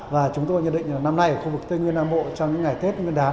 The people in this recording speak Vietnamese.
và chúng tôi nhận định năm nay ở khu vực tây nguyên nam bộ trong những ngày tết nguyên đán